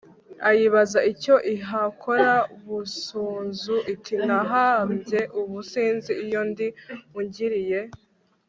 ayibaza icyo ihakora. busunzu iti nahabye ubu sinzi iyo ndi! ungiriye